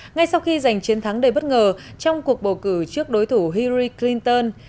ngay sau khi giành chiến thắng đầy bất ngờ trong cuộc bầu cử trước đối thủ hiri clinton